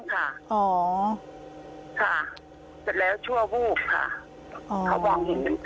ค่ะเสร็จแล้วชั่วบูกค่ะ